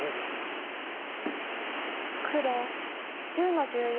黒１０の十四。